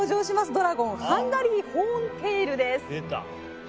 ドラゴンハンガリー・ホーンテイルです